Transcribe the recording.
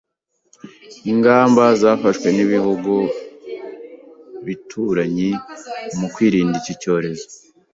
ingamba zafashw n'ibihugu bituranyi mu kwirinda iki cyorezo.